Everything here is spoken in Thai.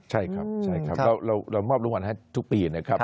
ใช่ครับใช่ครับเรามอบรางวัลให้ทุกปีนะครับ